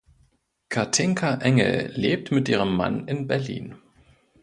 Kathinka Engel lebt mit ihrem Mann in Berlin.